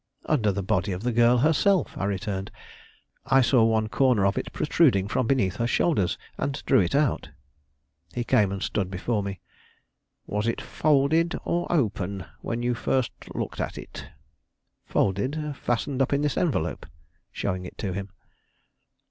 "Under the body of the girl herself," I returned. "I saw one corner of it protruding from beneath her shoulders, and drew it out." He came and stood before me. "Was it folded or open, when you first looked at it?" "Folded; fastened up in this envelope," showing it to him.